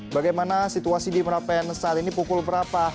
bagaimana situasi di merapen saat ini pukul berapa